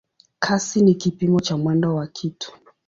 Kasi ni kipimo cha mwendo wa kitu.